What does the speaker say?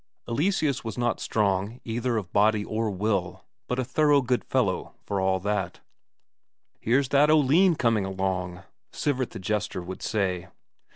Eleseus was not strong either of body or will, but a thorough good fellow for all that.... "Here's that Oline coming along," Sivert the jester would say.